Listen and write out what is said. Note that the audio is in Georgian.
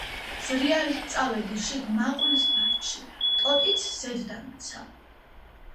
ზრიალით წავედი შიგ მაყვლის ბარდში, ტოტიც ზედ დამეცა.